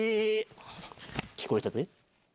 聞こえたぜ。